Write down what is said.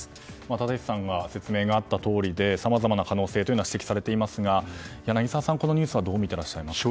立石さんから説明があったとおりでさまざまな可能性が指摘されていますが柳澤さん、このニュースはどう見ていらっしゃいますか。